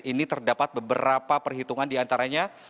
ini terdapat beberapa perhitungan diantaranya